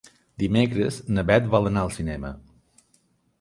Dimecres na Beth vol anar al cinema.